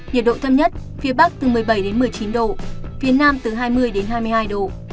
nhiệt độ thấp nhất phía bắc từ một mươi bảy đến một mươi chín độ phía nam từ hai mươi đến hai mươi hai độ